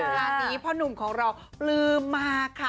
งานนี้พ่อหนุ่มของเราปลื้มมาค่ะ